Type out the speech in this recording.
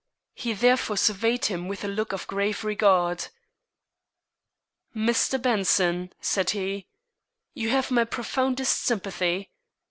He therefore surveyed him with a look of grave regard. "Mr. Benson," said he, "you have my profoundest sympathy.